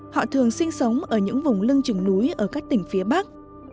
họ thường sinh sống ở những vùng lưng trừng núi ở các tỉnh phía bắc